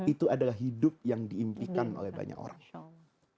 itu adalah hidup yang diimpikan oleh banyak orang